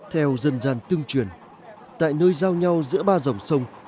theo dân gian tương truyền tại nơi giao nhau giữa ba dòng sông